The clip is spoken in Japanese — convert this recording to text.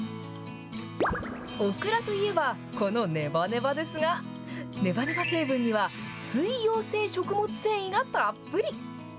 オクラといえばこのねばねばですが、ねばねば成分には、水溶性食物繊維がたっぷり。